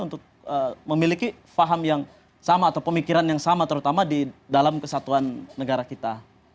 untuk memiliki faham yang sama atau pemikiran yang sama terutama di dalam kesatuan negara kita